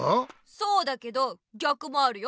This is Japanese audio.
そうだけどぎゃくもあるよ。